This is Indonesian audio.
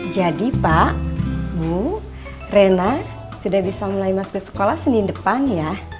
jadi pak bu rena sudah bisa mulai masuk sekolah senin depan ya